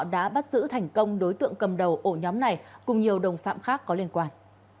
đã bắt giữ thành công đối tượng cầm đầu ổ nhóm này cùng nhiều đồng phạm khác có liên quan